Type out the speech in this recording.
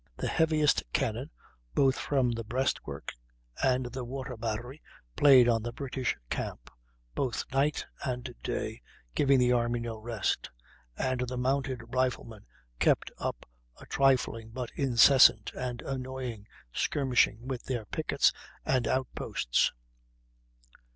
The heaviest cannon, both from the breastwork and the water battery, played on the British camp, both night and day, giving the army no rest, and the mounted riflemen kept up a trifling, but incessant and annoying, skirmishing with their pickets and outposts.